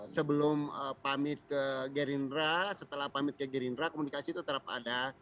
sebelum pamit ke gerindra setelah pamit ke gerindra komunikasi itu tetap ada